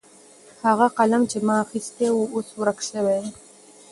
هغه قلم چې ما اخیستی و اوس ورک سوی دی.